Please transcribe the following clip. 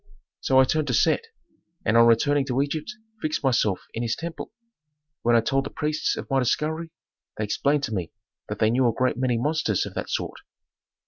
"So I turned to Set, and on returning to Egypt fixed myself in his temple. When I told the priests of my discovery they explained to me that they knew a great many monsters of that sort."